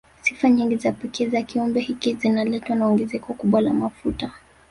Sifa nyingi za pekee za kiumbe hiki zinaletwa na ongezeko kubwa la mafuta